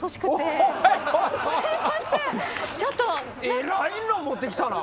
えらいの持ってきたな。